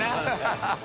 ハハハ